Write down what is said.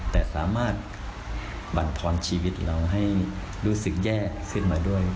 แต่สามารถบรรทอนชีวิตเราให้รู้สึกแย่ขึ้นมาด้วย